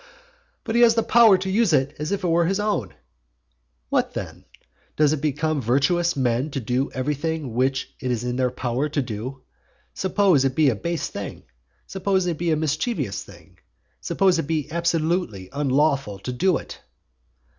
"But he has the power to use it as if it were his own." What then? Does it become virtuous men to do everything which it is in their power to do? Suppose it be a base thing? Suppose it be a mischievous thing? Suppose it be absolutely unlawful to do it?